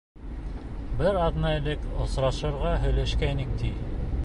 Бер аҙна элек осрашырға һөйләшкәйнек, ти.